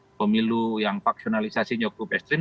secara pemilu yang paksionalisasi nyokup ekstrim